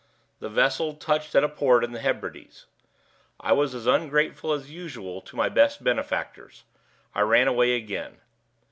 The vessel touched at a port in the Hebrides. I was as ungrateful as usual to my best benefactors; I ran away again.